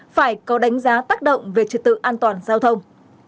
phải có đánh giá tác động về trật tự an toàn giao thông